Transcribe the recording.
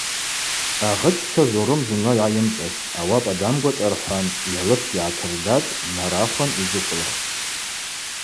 Агъыччва Зорым зынла йгӏайымцӏастӏ, ауапӏа дамгвашӏархӏван, йалыпгьи гӏатырдатӏ днарахвын йджвыквылхтӏ.